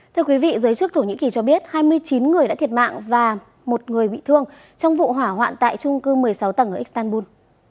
thưa quý vị giới chức thổ nhĩ kỳ cho biết hai mươi chín người đã thiệt mạng và một người bị thương trong vụ hỏa hoạn tại trung cư một mươi sáu tầng ở istanbul